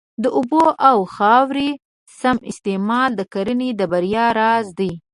د اوبو او خاورې سم استعمال د کرنې د بریا راز دی.